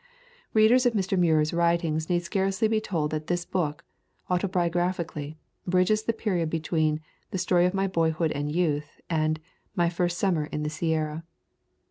Readers of Muir's writings need scarcely be told that this book, autobiographically, bridges the period between The Story of my Boyhood and Youth and My First Summer in the Sierra.